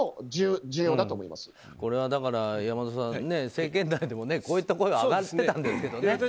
これは山田さん、政権内でもこういった声が上がってたんですよね。